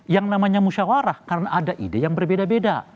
yang namanya musyawarah karena ada ide yang berbeda beda